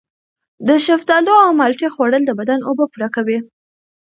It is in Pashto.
د شفتالو او مالټې خوړل د بدن اوبه پوره کوي.